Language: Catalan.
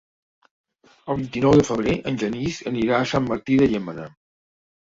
El vint-i-nou de febrer en Genís anirà a Sant Martí de Llémena.